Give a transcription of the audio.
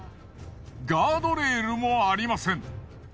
ガードレールもありません。